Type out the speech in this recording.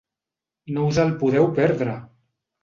No us el podeu perdre!